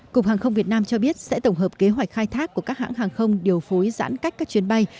cục hàng không việt nam cho biết sẽ tổng hợp kế hoạch khai thác của các hãng hàng không điều phối giãn cách các chuyến bay